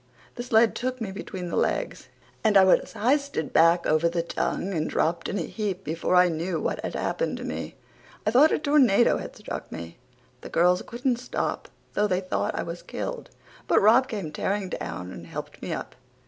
The sled took me between the legs and I was histed back over the tongue and dropped in a heap behind before I knew what had happened to me. I thought a tornado had struck me. The girls couldn't stop though they thought I was killed, but Rob came tearing down and helped me up.